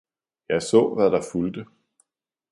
Jeg så hvad der fulgte!